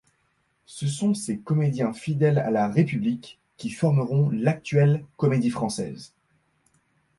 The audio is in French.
Ce sont ces comédiens fidèles à la République qui formeront l'actuelle Comédie-Française.